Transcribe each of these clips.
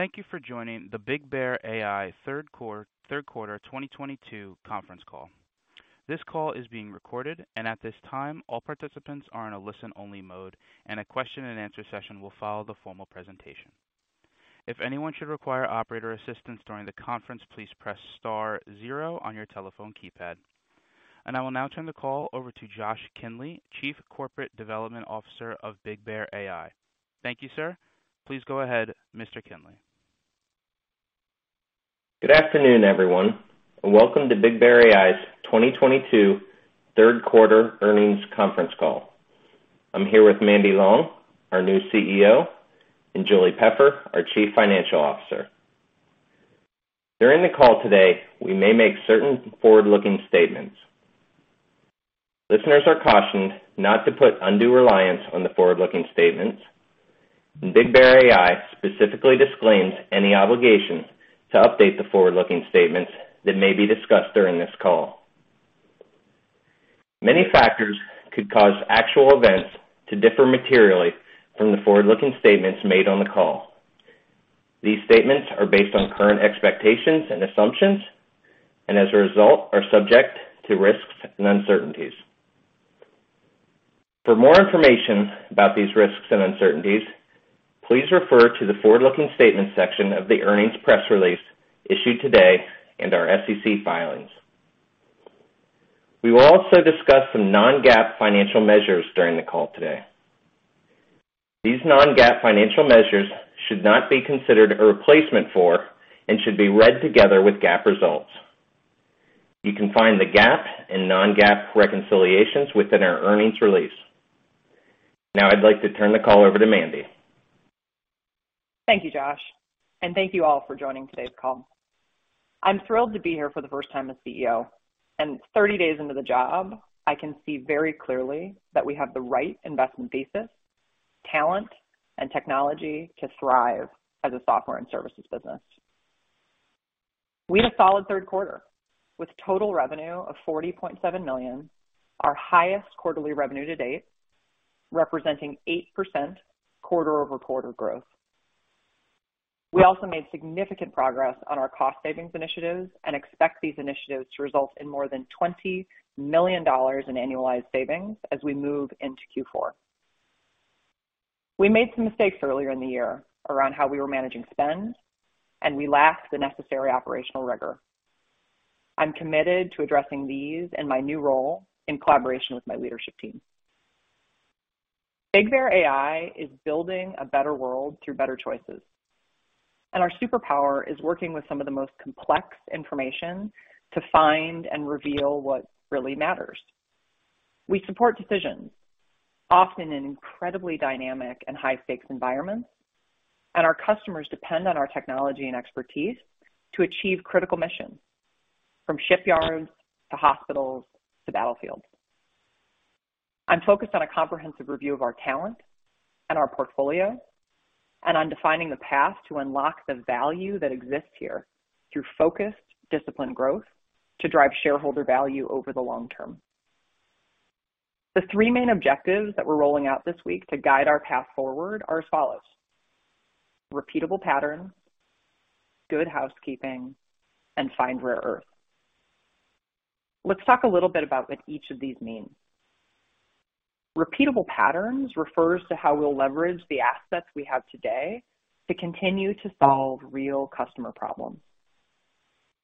Thank you for joining the BigBear.ai third quarter 2022 conference call. This call is being recorded and at this time, all participants are in a listen-only mode, and a question and answer session will follow the formal presentation. If anyone should require operator assistance during the conference, please press star zero on your telephone keypad. I will now turn the call over to Joshua Kinley, Chief Corporate Development Officer of BigBear.ai. Thank you, sir. Please go ahead, Mr. Kinley. Good afternoon, everyone, and welcome to BigBear.ai's 2022 third quarter earnings conference call. I'm here with Mandy Long, our new CEO, and Julie Peffer, our Chief Financial Officer. During the call today, we may make certain forward-looking statements. Listeners are cautioned not to put undue reliance on the forward-looking statements, and BigBear.ai specifically disclaims any obligation to update the forward-looking statements that may be discussed during this call. Many factors could cause actual events to differ materially from the forward-looking statements made on the call. These statements are based on current expectations and assumptions, and as a result, are subject to risks and uncertainties. For more information about these risks and uncertainties, please refer to the forward-looking statements section of the earnings press release issued today and our SEC filings. We will also discuss some non-GAAP financial measures during the call today. These non-GAAP financial measures should not be considered a replacement for and should be read together with GAAP results. You can find the GAAP and non-GAAP reconciliations within our earnings release. Now I'd like to turn the call over to Mandy. Thank you, Josh, and thank you all for joining today's call. I'm thrilled to be here for the first time as CEO, and 30 days into the job, I can see very clearly that we have the right investment thesis, talent, and technology to thrive as a software and services business. We had a solid third quarter, with total revenue of $40.7 million, our highest quarterly revenue to date, representing 8% quarter-over-quarter growth. We also made significant progress on our cost savings initiatives and expect these initiatives to result in more than $20 million in annualized savings as we move into Q4. We made some mistakes earlier in the year around how we were managing spend, and we lacked the necessary operational rigor. I'm committed to addressing these in my new role in collaboration with my leadership team. BigBear.ai is building a better world through better choices, and our superpower is working with some of the most complex information to find and reveal what really matters. We support decisions, often in incredibly dynamic and high-stakes environments, and our customers depend on our technology and expertise to achieve critical missions, from shipyards to hospitals to battlefields. I'm focused on a comprehensive review of our talent and our portfolio, and on defining the path to unlock the value that exists here through focused, disciplined growth to drive shareholder value over the long term. The three main objectives that we're rolling out this week to guide our path forward are as follows, repeatable patterns, good housekeeping, and find rare earth. Let's talk a little bit about what each of these means. Repeatable patterns refers to how we'll leverage the assets we have today to continue to solve real customer problems.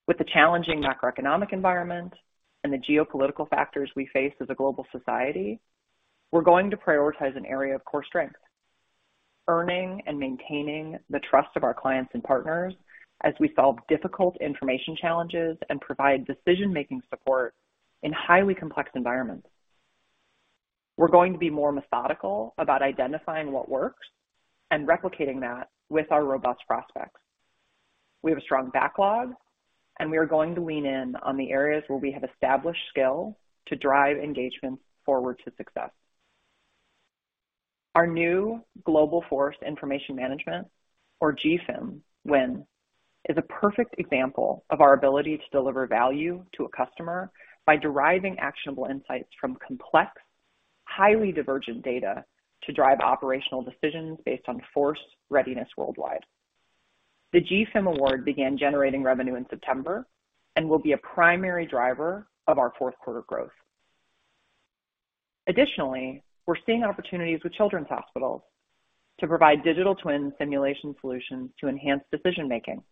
With the challenging macroeconomic environment and the geopolitical factors we face as a global society, we're going to prioritize an area of core strength, earning and maintaining the trust of our clients and partners as we solve difficult information challenges and provide decision-making support in highly complex environments. We're going to be more methodical about identifying what works and replicating that with our robust prospects. We have a strong backlog, and we are going to lean in on the areas where we have established skill to drive engagements forward to success. Our new Global Force Information Management, or GFIM win, is a perfect example of our ability to deliver value to a customer by deriving actionable insights from complex, highly divergent data to drive operational decisions based on force readiness worldwide. The GFIM award began generating revenue in September and will be a primary driver of our fourth quarter growth. Additionally, we're seeing opportunities with children's hospitals to provide digital twin simulation solutions to enhance decision-making.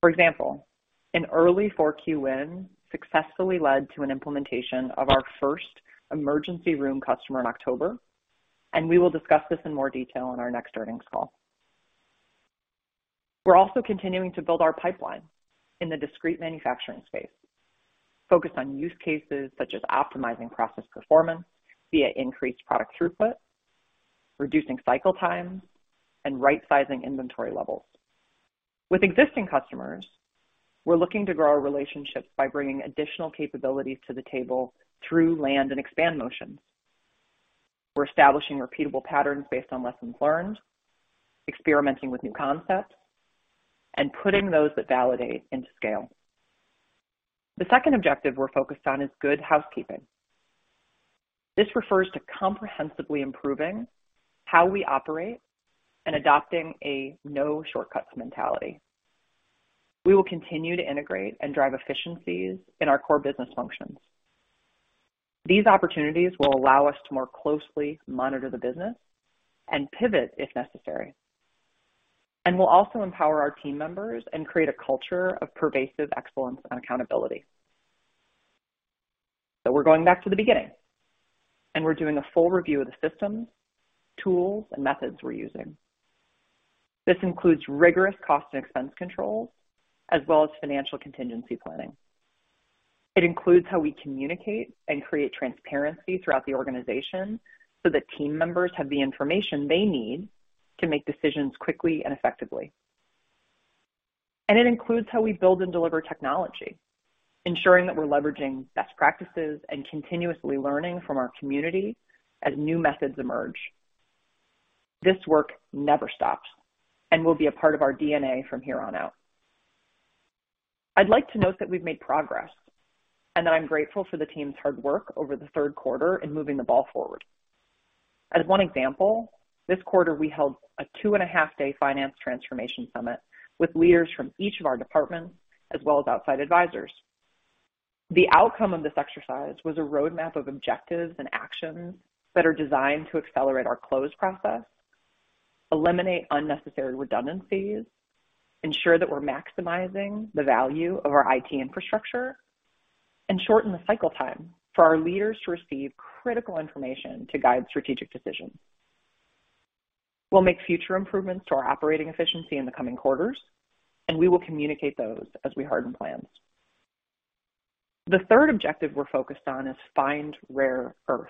For example, an early Q4 win successfully led to an implementation of our first emergency room customer in October, and we will discuss this in more detail on our next earnings call. We're also continuing to build our pipeline in the discrete manufacturing space, focused on use cases such as optimizing process performance via increased product throughput, reducing cycle times, and right-sizing inventory levels. With existing customers, we're looking to grow our relationships by bringing additional capabilities to the table through land and expand motions. We're establishing repeatable patterns based on lessons learned, experimenting with new concepts, and putting those that validate into scale. The second objective we're focused on is good housekeeping. This refers to comprehensively improving how we operate and adopting a no shortcuts mentality. We will continue to integrate and drive efficiencies in our core business functions. These opportunities will allow us to more closely monitor the business and pivot if necessary. We'll also empower our team members and create a culture of pervasive excellence and accountability. We're going back to the beginning, and we're doing a full review of the systems, tools, and methods we're using. This includes rigorous cost and expense controls as well as financial contingency planning. It includes how we communicate and create transparency throughout the organization so that team members have the information they need to make decisions quickly and effectively. It includes how we build and deliver technology, ensuring that we're leveraging best practices and continuously learning from our community as new methods emerge. This work never stops and will be a part of our DNA from here on out. I'd like to note that we've made progress and that I'm grateful for the team's hard work over the third quarter in moving the ball forward. As one example, this quarter we held a 2.5-day finance transformation summit with leaders from each of our departments as well as outside advisors. The outcome of this exercise was a roadmap of objectives and actions that are designed to accelerate our close process, eliminate unnecessary redundancies, ensure that we're maximizing the value of our IT infrastructure, and shorten the cycle time for our leaders to receive critical information to guide strategic decisions. We'll make future improvements to our operating efficiency in the coming quarters, and we will communicate those as we harden plans. The third objective we're focused on is find rare earth.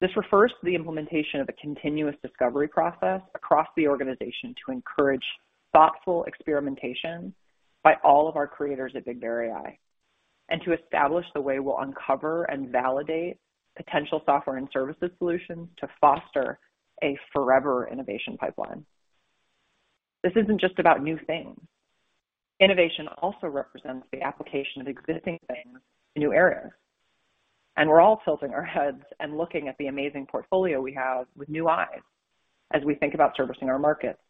This refers to the implementation of a continuous discovery process across the organization to encourage thoughtful experimentation by all of our creators at BigBear.ai, and to establish the way we'll uncover and validate potential software and services solutions to foster a forever innovation pipeline. This isn't just about new things. Innovation also represents the application of existing things in new areas, and we're all tilting our heads and looking at the amazing portfolio we have with new eyes as we think about servicing our markets.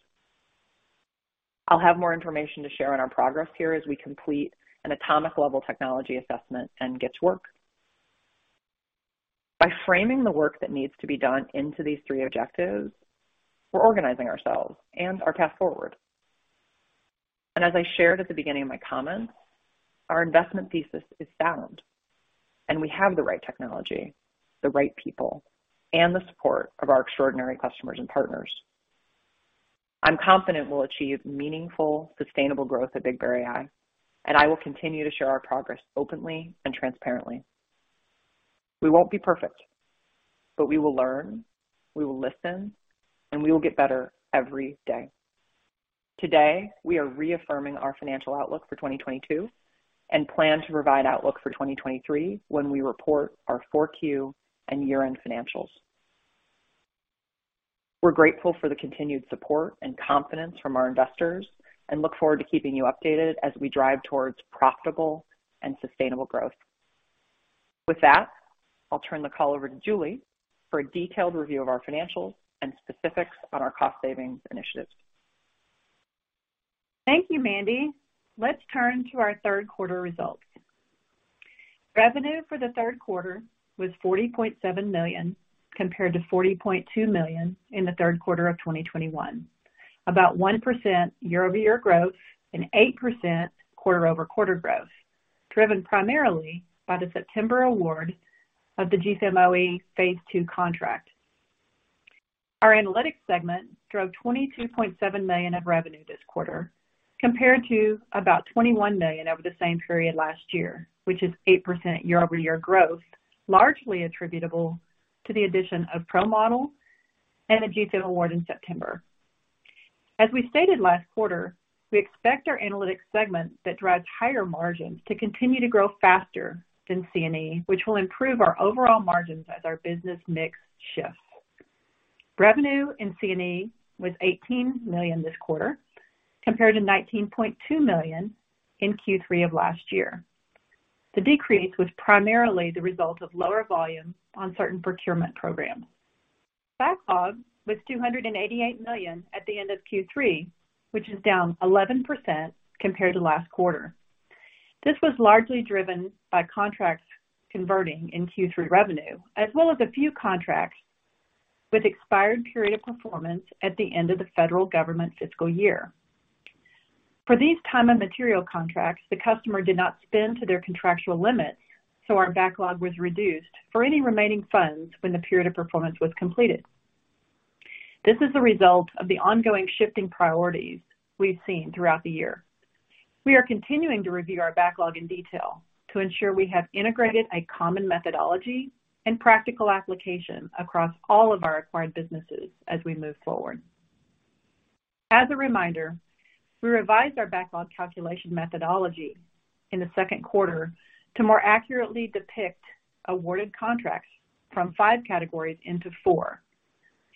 I'll have more information to share on our progress here as we complete an atomic level technology assessment and get to work. By framing the work that needs to be done into these three objectives, we're organizing ourselves and our path forward. As I shared at the beginning of my comments, our investment thesis is sound, and we have the right technology, the right people, and the support of our extraordinary customers and partners. I'm confident we'll achieve meaningful, sustainable growth at BigBear.ai, and I will continue to share our progress openly and transparently. We won't be perfect, but we will learn, we will listen, and we will get better every day. Today, we are reaffirming our financial outlook for 2022 and plan to provide outlook for 2023 when we report our Q4 and year-end financials. We're grateful for the continued support and confidence from our investors and look forward to keeping you updated as we drive towards profitable and sustainable growth. With that, I'll turn the call over to Julie for a detailed review of our financials and specifics on our cost savings initiatives. Thank you, Mandy. Let's turn to our third quarter results. Revenue for the third quarter was $40.7 million, compared to $40.2 million in the third quarter of 2021. About 1% year-over-year growth and 8% quarter-over-quarter growth, driven primarily by the September award of the GFIM-OE Phase Two contract. Our analytics segment drove $22.7 million of revenue this quarter, compared to about $21 million over the same period last year, which is 8% year-over-year growth, largely attributable to the addition of ProModel and the GFIM-OE award in September. As we stated last quarter, we expect our analytics segment that drives higher margins to continue to grow faster than CNE, which will improve our overall margins as our business mix shifts. Revenue in CNE was $18 million this quarter, compared to $19.2 million in Q3 of last year. The decrease was primarily the result of lower volume on certain procurement programs. Backlog was $288 million at the end of Q3, which is down 11% compared to last quarter. This was largely driven by contracts converting in Q3 revenue, as well as a few contracts with expired period of performance at the end of the federal government fiscal year. For these time and material contracts, the customer did not spend to their contractual limits, so our backlog was reduced for any remaining funds when the period of performance was completed. This is a result of the ongoing shifting priorities we've seen throughout the year. We are continuing to review our backlog in detail to ensure we have integrated a common methodology and practical application across all of our acquired businesses as we move forward. As a reminder, we revised our backlog calculation methodology in the second quarter to more accurately depict awarded contracts from five categories into four.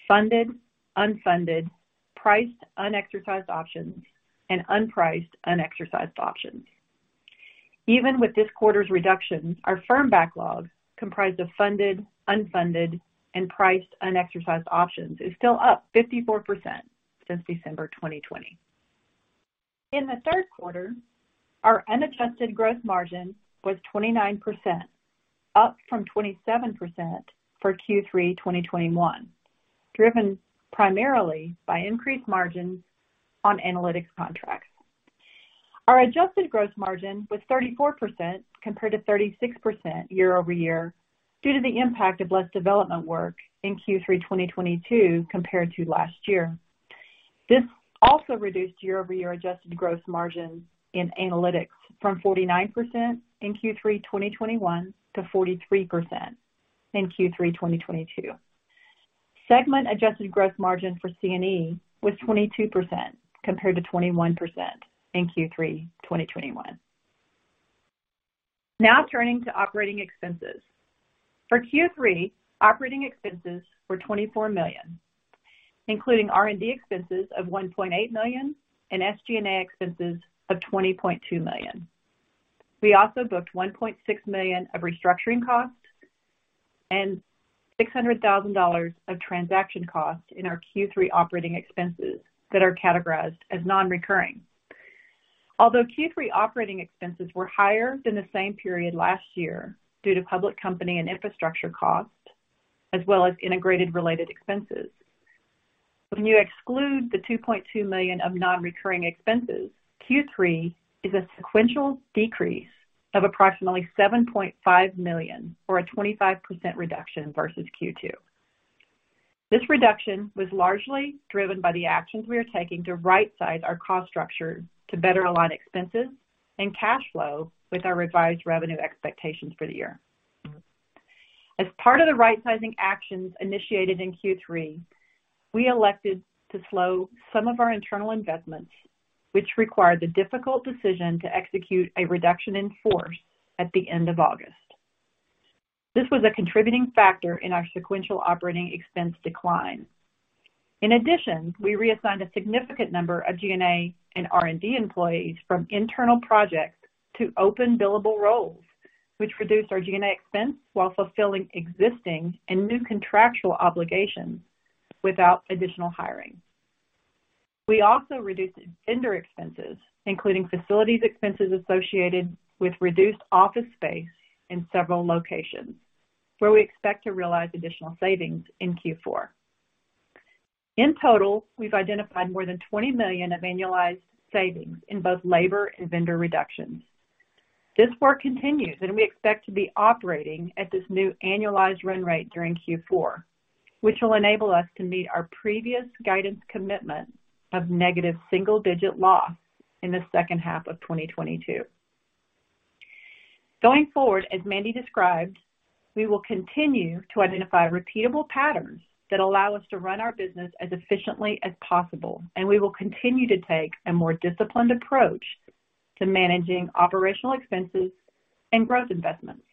Funded, unfunded, priced unexercised options, and unpriced unexercised options. Even with this quarter's reduction, our firm backlog, comprised of funded, unfunded, and priced unexercised options, is still up 54% since December 2020. In the third quarter, our unadjusted gross margin was 29%, up from 27% for Q3 2021, driven primarily by increased margins on analytics contracts. Our adjusted gross margin was 34% compared to 36% year over year due to the impact of less development work in Q3 2022 compared to last year. This also reduced year-over-year adjusted gross margins in analytics from 49% in Q3 2021 to 43% in Q3 2022. Segment adjusted gross margin for CNE was 22% compared to 21% in Q3 2021. Now turning to operating expenses. For Q3, operating expenses were $24 million, including R&D expenses of $1.8 million and SG&A expenses of $20.2 million. We also booked $1.6 million of restructuring costs and $600,000 of transaction costs in our Q3 operating expenses that are categorized as non-recurring. Although Q3 operating expenses were higher than the same period last year due to public company and infrastructure costs, as well as integration-related expenses, when you exclude the $2.2 million of non-recurring expenses, Q3 is a sequential decrease of approximately $7.5 million or a 25% reduction versus Q2. This reduction was largely driven by the actions we are taking to right size our cost structure to better align expenses and cash flow with our revised revenue expectations for the year. As part of the right-sizing actions initiated in Q3, we elected to slow some of our internal investments, which required the difficult decision to execute a reduction in force at the end of August. This was a contributing factor in our sequential operating expense decline. In addition, we reassigned a significant number of G&A and R&D employees from internal projects to open billable roles, which reduced our G&A expense while fulfilling existing and new contractual obligations without additional hiring. We also reduced vendor expenses, including facilities expenses associated with reduced office space in several locations, where we expect to realize additional savings in Q4. In total, we've identified more than $20 million of annualized savings in both labor and vendor reductions. This work continues, and we expect to be operating at this new annualized run rate during Q4, which will enable us to meet our previous guidance commitment of negative single-digit% loss in the second half of 2022. Going forward, as Mandy described, we will continue to identify repeatable patterns that allow us to run our business as efficiently as possible, and we will continue to take a more disciplined approach to managing operational expenses and growth investments.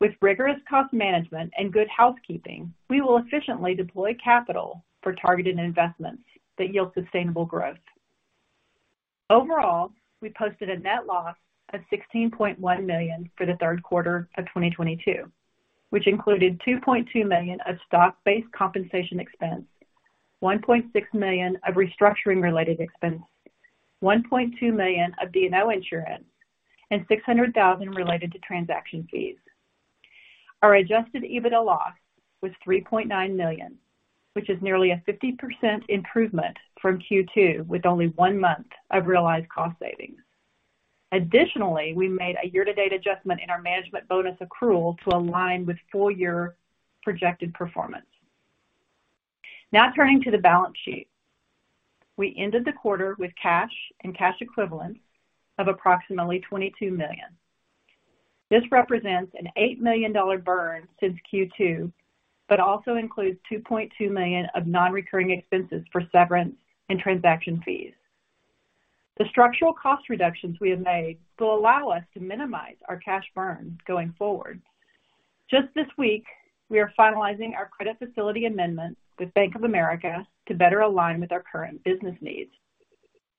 With rigorous cost management and good housekeeping, we will efficiently deploy capital for targeted investments that yield sustainable growth. Overall, we posted a net loss of $16.1 million for the third quarter of 2022, which included $2.2 million of stock-based compensation expense, $1.6 million of restructuring-related expense, $1.2 million of D&O insurance, and $600 thousand related to transaction fees. Our adjusted EBITDA loss was $3.9 million, which is nearly a 50% improvement from Q2 with only one month of realized cost savings. Additionally, we made a year-to-date adjustment in our management bonus accrual to align with full-year projected performance. Now turning to the balance sheet. We ended the quarter with cash and cash equivalents of approximately $22 million. This represents an $8 million burn since Q2, but also includes $2.2 million of non-recurring expenses for severance and transaction fees. The structural cost reductions we have made will allow us to minimize our cash burn going forward. Just this week, we are finalizing our credit facility amendment with Bank of America to better align with our current business needs.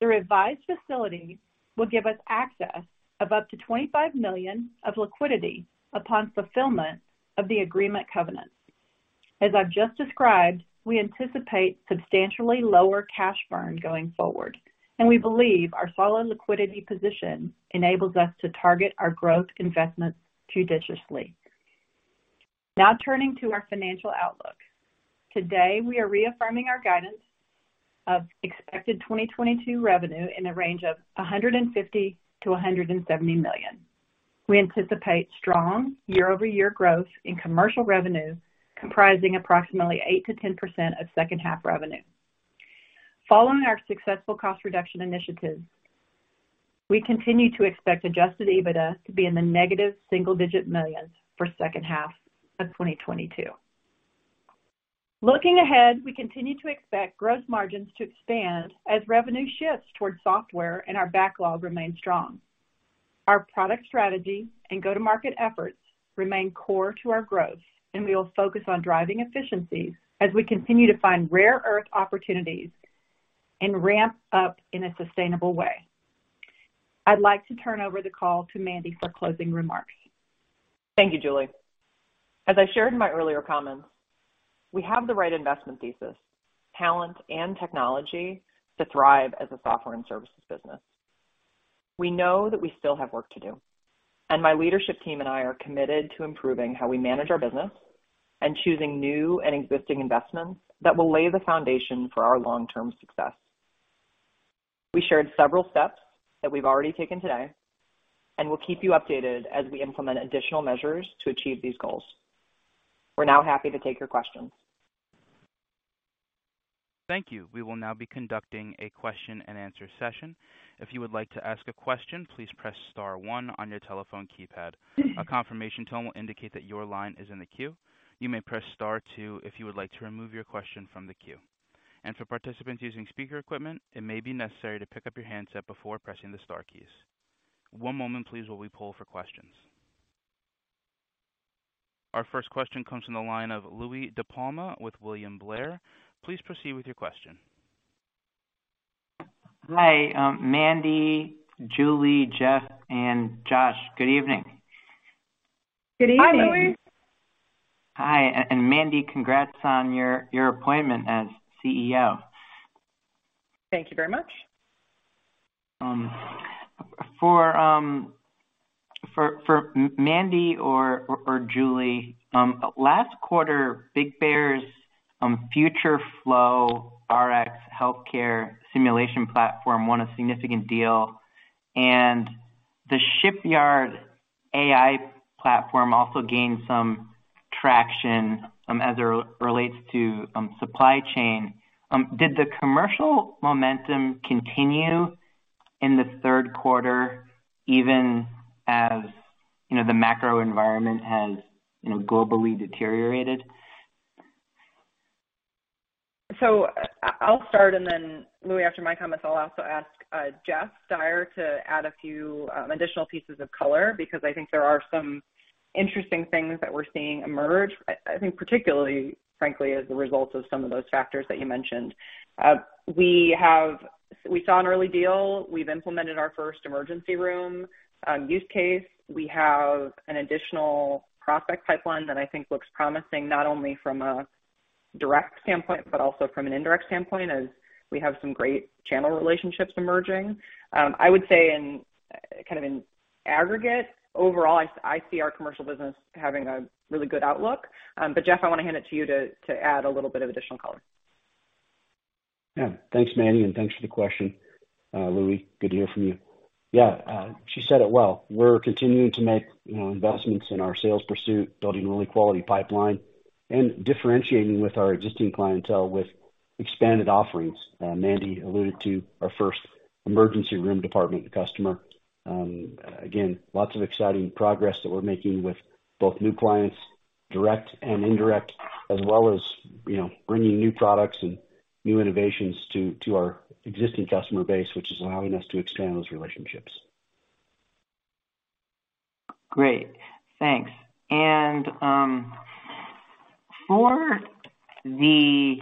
The revised facility will give us access of up to $25 million of liquidity upon fulfillment of the agreement covenants. As I've just described, we anticipate substantially lower cash burn going forward, and we believe our solid liquidity position enables us to target our growth investments judiciously. Now turning to our financial outlook. Today, we are reaffirming our guidance of expected 2022 revenue in the range of $150 million-$170 million. We anticipate strong year-over-year growth in commercial revenues, comprising approximately 8%-10% of second half revenue. Following our successful cost reduction initiatives, we continue to expect adjusted EBITDA to be in the negative single-digit millions for second half of 2022. Looking ahead, we continue to expect gross margins to expand as revenue shifts towards software and our backlog remains strong. Our product strategy and go-to-market efforts remain core to our growth, and we will focus on driving efficiencies as we continue to find rare earth opportunities and ramp up in a sustainable way. I'd like to turn over the call to Mandy for closing remarks. Thank you, Julie. As I shared in my earlier comments, we have the right investment thesis, talent, and technology to thrive as a software and services business. We know that we still have work to do, and my leadership team and I are committed to improving how we manage our business and choosing new and existing investments that will lay the foundation for our long-term success. We shared several steps that we've already taken today, and we'll keep you updated as we implement additional measures to achieve these goals. We're now happy to take your questions. Thank you. We will now be conducting a question-and-answer session. If you would like to ask a question, please press star one on your telephone keypad. A confirmation tone will indicate that your line is in the queue. You may press star two if you would like to remove your question from the queue. For participants using speaker equipment, it may be necessary to pick up your handset before pressing the star keys. One moment please, while we pull for questions. Our first question comes from the line of Louie DiPalma with William Blair. Please proceed with your question. Hi, Mandy, Julie, Jeff, and Josh. Good evening. Good evening. Hi, Louie. Hi, Mandy, congrats on your appointment as CEO. Thank you very much. For Mandy or Julie, last quarter, BigBear.ai's FutureFlow RX healthcare simulation platform won a significant deal, and the Shipyard AI platform also gained some traction, as it relates to supply chain. Did the commercial momentum continue in the third quarter, even as, Mandy the macro environment has, Mandy globally deteriorated? I'll start, and then Louie, after my comments, I'll also ask Jeffrey Dyer to add a few additional pieces of color because I think there are some interesting things that we're seeing emerge. I think particularly, frankly, as the result of some of those factors that you mentioned. We saw an early deal. We've implemented our first emergency room use case. We have an additional prospect pipeline that I think looks promising not only from a direct standpoint, but also from an indirect standpoint, as we have some great channel relationships emerging. I would say in kind of in aggregate, overall, I see our commercial business having a really good outlook. Jeff, I want to hand it to you to add a little bit of additional color. Yeah. Thanks, Mandy, and thanks for the question, Louie. Good to hear from you. Yeah, she said it well. We're continuing to make, Mandy investments in our sales pursuit, building really quality pipeline and differentiating with our existing clientele with expanded offerings. Mandy alluded to our first emergency room department customer. Again, lots of exciting progress that we're making with both new clients, direct and indirect, as well as, Mandy bringing new products and new innovations to our existing customer base, which is allowing us to expand those relationships. Great. Thanks. For the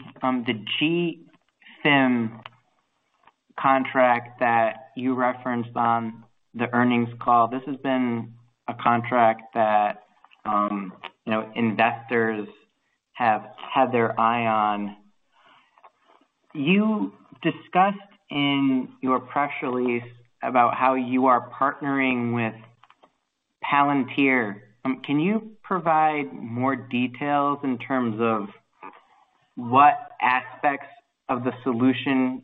GFIM contract that you referenced on the earnings call, this has been a contract that, Mandy investors have had their eye on. You discussed in your press release about how you are partnering with Palantir. Can you provide more details in terms of what aspects of the solution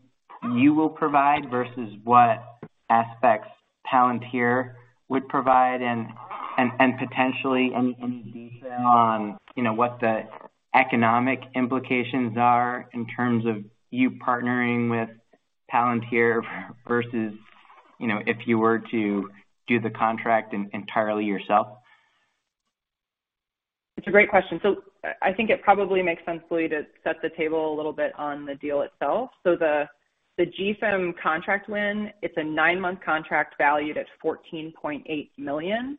you will provide versus what aspects Palantir would provide? Potentially any detail on, Mandy what the economic implications are in terms of you partnering with Palantir versus, Mandy if you were to do the contract entirely yourself. It's a great question. I think it probably makes sense, Louie, to set the table a little bit on the deal itself. The GFIM contract win, it's a nine-month contract valued at $14.8 million.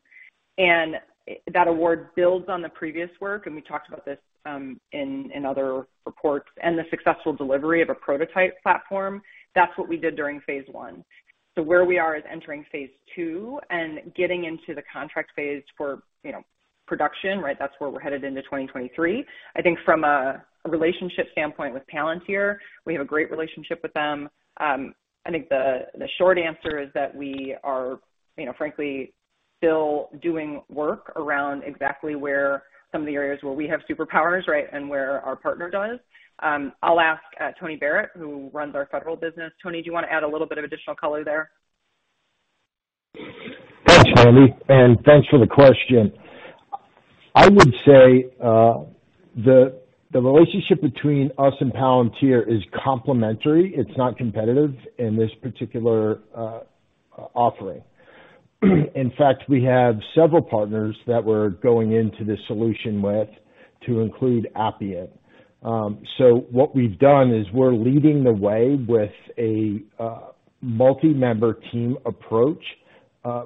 That award builds on the previous work, and we talked about this in other reports, and the successful delivery of a prototype platform. That's what we did during phase one. Where we are is entering phase two and getting into the contract phase for, Mandy production, right? That's where we're headed into 2023. I think from a relationship standpoint with Palantir, we have a great relationship with them. I think the short answer is that we are, Mandy frankly, still doing work around exactly where some of the areas where we have superpowers, right, and where our partner does. I'll ask Tony Barrett, who runs our federal business. Tony, do you want to add a little bit of additional color there? Thanks, Mandy, and thanks for the question. I would say, the relationship between us and Palantir is complementary. It's not competitive in this particular offering. In fact, we have several partners that we're going into this solution with. To include Appian. What we've done is we're leading the way with a multi-member team approach,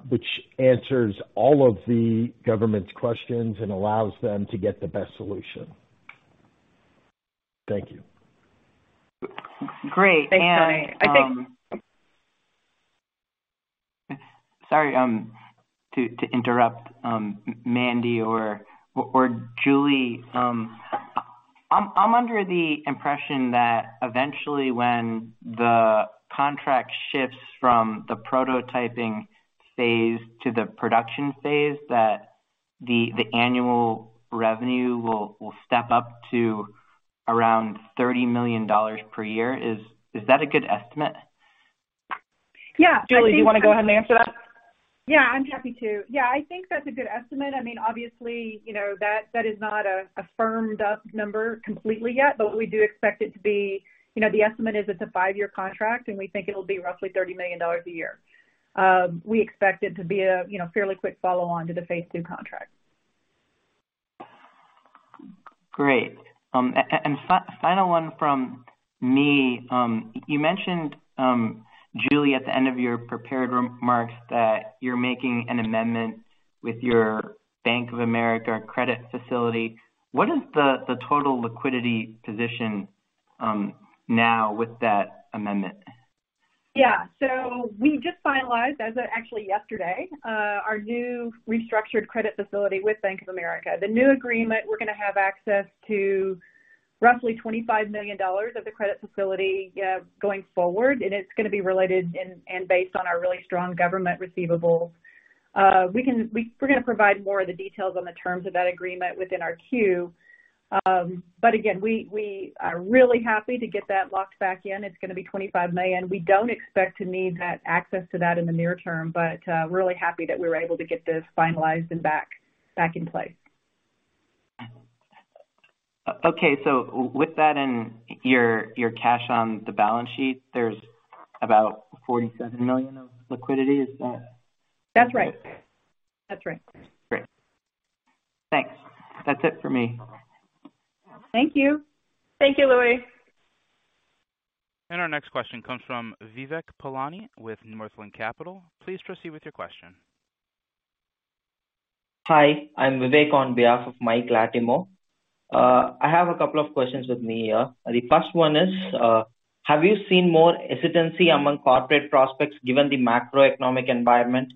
which answers all of the government's questions and allows them to get the best solution. Thank you. Great. Thanks, Tony. Sorry, to interrupt, Mandy or Julie, I'm under the impression that eventually when the contract shifts from the prototyping phase to the production phase, that the annual revenue will step up to around $30 million per year. Is that a good estimate? Yeah. I think. Julie, do you wanna go ahead and answer that? Yeah, I'm happy to. Yeah, I think that's a good estimate. I mean, obviously, Mandy that is not a firmed up number completely yet, but we do expect it to be. Mandy the estimate is it's a five-year contract, and we think it'll be roughly $30 million a year. We expect it to be a Mandy fairly quick follow on to the phase two contract. Great. Final one from me. You mentioned, Julie, at the end of your prepared remarks that you're making an amendment with your Bank of America credit facility. What is the total liquidity position now with that amendment? Yeah. We just finalized as of actually yesterday our new restructured credit facility with Bank of America. The new agreement, we're gonna have access to roughly $25 million of the credit facility going forward, and it's gonna be related and based on our really strong government receivables. We're gonna provide more of the details on the terms of that agreement within our Q. Again, we are really happy to get that locked back in. It's gonna be $25 million. We don't expect to need that access to that in the near term, but really happy that we were able to get this finalized and back in place. Okay. With that and your cash on the balance sheet, there's about $47 million of liquidity. Is that That's right. Okay. That's right. Great. Thanks. That's it for me. Thank you. Thank you, Louie. Our next question comes from Vivek Palani with Northland Capital Markets. Please proceed with your question. Hi, I'm Vivek on behalf of Michael Latimore. I have a couple of questions with me here. The first one is, have you seen more hesitancy among corporate prospects given the macroeconomic environment?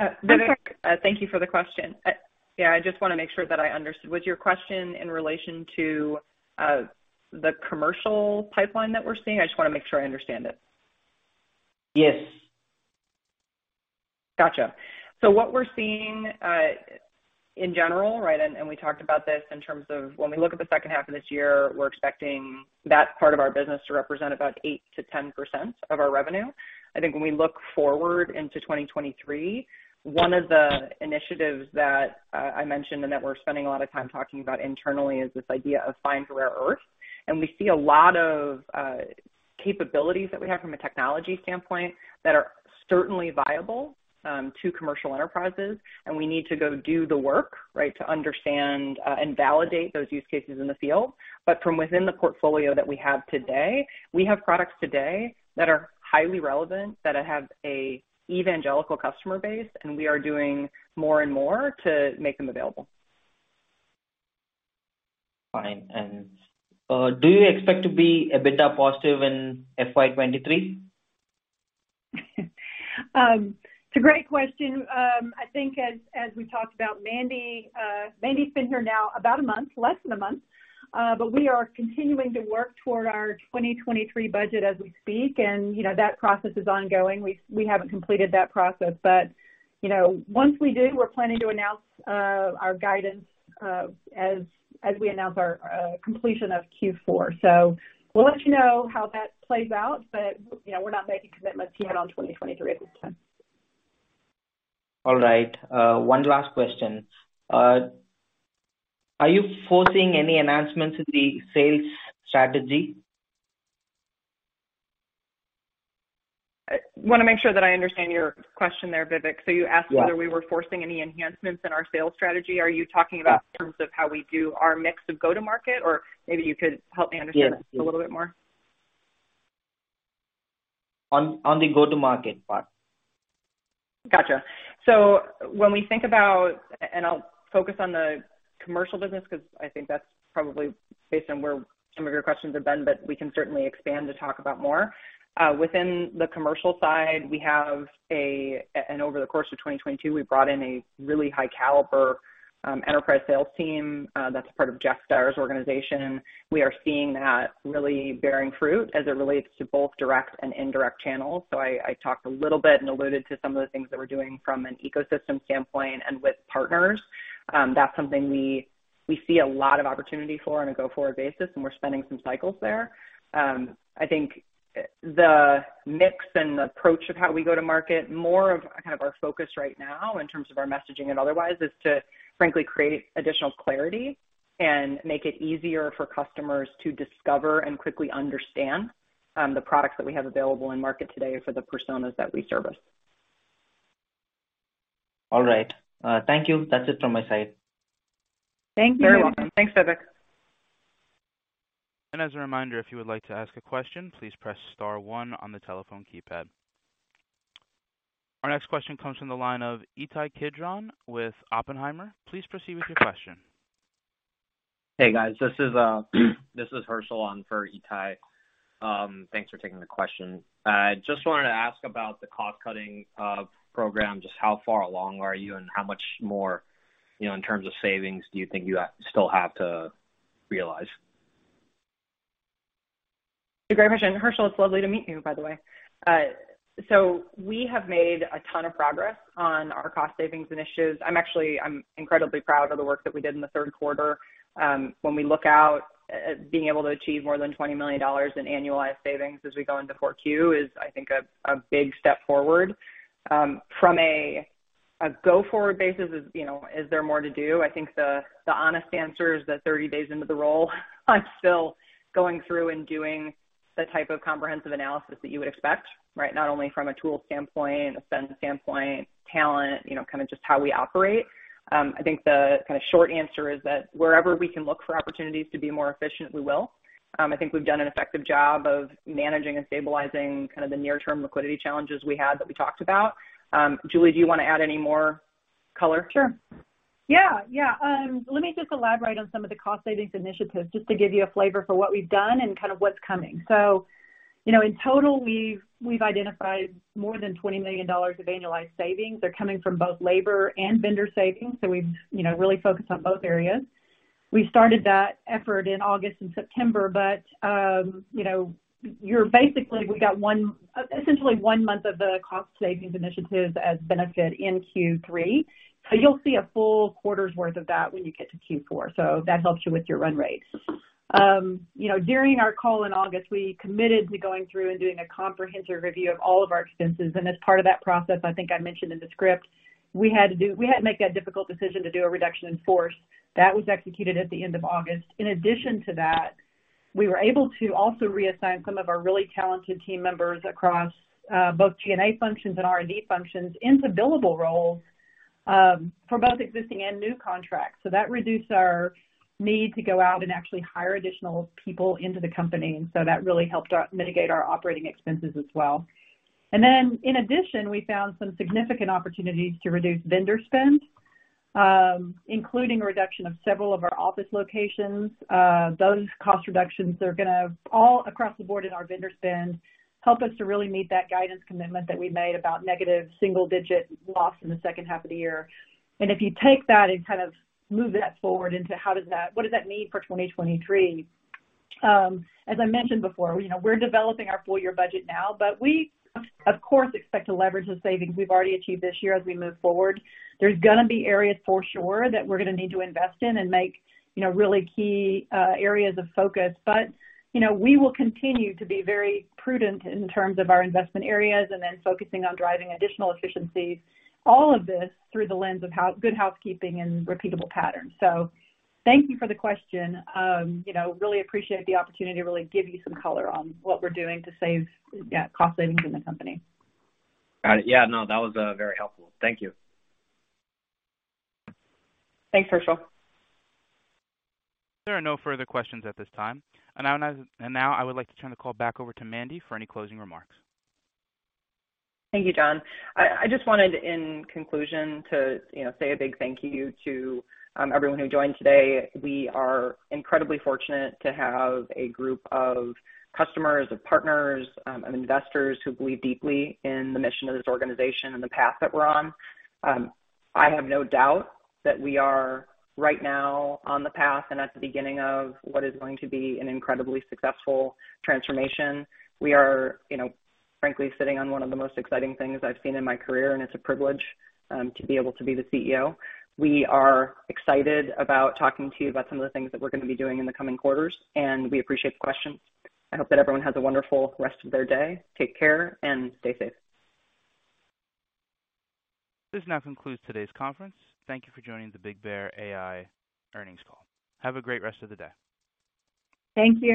Vivek, thank you for the question. Yeah, I just wanna make sure. Was your question in relation to the commercial pipeline that we're seeing? I just wanna make sure I understand it. Yes. Gotcha. What we're seeing in general, right? We talked about this in terms of when we look at the second half of this year. We're expecting that part of our business to represent about 8%-10% of our revenue. I think when we look forward into 2023, one of the initiatives that I mentioned and that we're spending a lot of time talking about internally is this idea of find rare earth. We see a lot of capabilities that we have from a technology standpoint that are certainly viable to commercial enterprises, and we need to go do the work, right? To understand and validate those use cases in the field. From within the portfolio that we have today, we have products today that are highly relevant, that have an evangelist customer base, and we are doing more and more to make them available. Fine. Do you expect to be EBITDA positive in FY 2023? It's a great question. I think as we talked about Mandy's been here now about a month, less than a month. We are continuing to work toward our 2023 budget as we speak. Mandy that process is ongoing. We haven't completed that process, but, Mandy once we do, we're planning to announce our guidance as we announce our completion of Q4. We'll let you know how that plays out, but, Mandy we're not making commitments yet on 2023 at this time. All right. One last question. Are you forcing any enhancements in the sales strategy? I wanna make sure that I understand your question there, Vivek. You asked- Yeah. Whether we were forcing any enhancements in our sales strategy. Are you talking about in terms of how we do our mix of go-to-market? Or maybe you could help me understand this a little bit more. On the go-to-market part. Gotcha. When we think about and I'll focus on the commercial business 'cause I think that's probably based on where some of your questions have been, but we can certainly expand to talk about more. Within the commercial side, we have over the course of 2022, we brought in a really high caliber enterprise sales team that's part of Jeffrey Dyer's organization. We are seeing that really bearing fruit as it relates to both direct and indirect channels. I talked a little bit and alluded to some of the things that we're doing from an ecosystem standpoint and with partners. That's something we see a lot of opportunity for on a go-forward basis, and we're spending some cycles there. I think the mix and the approach of how we go to market, more of kind of our focus right now in terms of our messaging and otherwise is to frankly create additional clarity and make it easier for customers to discover and quickly understand the products that we have available in market today for the personas that we service. All right. Thank you. That's it from my side. Thank you. You're very welcome. Thanks, Vivek. As a reminder, if you would like to ask a question, please press star one on the telephone keypad. Our next question comes from the line of Ittai Kidron with Oppenheimer. Please proceed with your question. Hey, guys. This is Herschel on for Ittai. Thanks for taking the question. I just wanted to ask about the cost-cutting program, just how far along are you and how much more, Mandy in terms of savings do you think you still have to realize? It's a great question. Herschel, it's lovely to meet you, by the way. So we have made a ton of progress on our cost savings initiatives. I'm incredibly proud of the work that we did in the third quarter. When we look out at being able to achieve more than $20 million in annualized savings as we go into Q4, it's a big step forward. From a go-forward basis, Mandy is there more to do? I think the honest answer is that 30 days into the role I'm still going through and doing the type of comprehensive analysis that you would expect, right? Not only from a tool standpoint, a spend standpoint, talent, Mandy kind of just how we operate. I think the kinda short answer is that wherever we can look for opportunities to be more efficient, we will. I think we've done an effective job of managing and stabilizing kind of the near-term liquidity challenges we had that we talked about. Julie, do you wanna add any more color? Sure. Yeah. Let me just elaborate on some of the cost savings initiatives, just to give you a flavor for what we've done and kind of what's coming. Mandy in total, we've identified more than $20 million of annualized savings. They're coming from both labor and vendor savings, so we've Mandy really focused on both areas. We started that effort in August and September, but Mandy we basically got essentially one month of the cost savings initiative as benefit in Q3. You'll see a full quarter's worth of that when you get to Q4, so that helps you with your run rate. Mandy during our call in August, we committed to going through and doing a comprehensive review of all of our expenses. As part of that process, I think I mentioned in the script, we had to make that difficult decision to do a reduction in force. That was executed at the end of August. In addition to that, we were able to also reassign some of our really talented team members across both G&A functions and R&D functions into billable roles for both existing and new contracts. That reduced our need to go out and actually hire additional people into the company. That really helped mitigate our operating expenses as well. In addition, we found some significant opportunities to reduce vendor spend, including a reduction of several of our office locations. Those cost reductions are gonna all across the board in our vendor spend, help us to really meet that guidance commitment that we made about negative single-digit loss in the second half of the year. If you take that and kind of move that forward into what does that mean for 2023? As I mentioned before, Mandy we're developing our full-year budget now, but we of course expect to leverage the savings we've already achieved this year as we move forward. There's gonna be areas for sure that we're gonna need to invest in and make, Mandy really key areas of focus. Mandy we will continue to be very prudent in terms of our investment areas and then focusing on driving additional efficiencies, all of this through the lens of good housekeeping and repeatable patterns. Thank you for the question. Mandy really appreciate the opportunity to really give you some color on what we're doing to save, yeah, cost savings in the company. Got it. Yeah, no, that was very helpful. Thank you. Thanks, Herschel. There are no further questions at this time. Now I would like to turn the call back over to Mandy for any closing remarks. Thank you, John. I just wanted, in conclusion, to, Mandy say a big thank you to everyone who joined today. We are incredibly fortunate to have a group of customers, of partners, and investors who believe deeply in the mission of this organization and the path that we're on. I have no doubt that we are right now on the path and at the beginning of what is going to be an incredibly successful transformation. We are, Mandy frankly, sitting on one of the most exciting things I've seen in my career, and it's a privilege to be able to be the CEO. We are excited about talking to you about some of the things that we're gonna be doing in the coming quarters, and we appreciate the questions. I hope that everyone has a wonderful rest of their day. Take care and stay safe. This now concludes today's conference. Thank you for joining the BigBear.ai earnings call. Have a great rest of the day. Thank you.